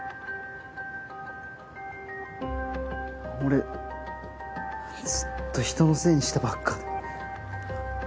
俺ずっと人のせいにしてばっかで。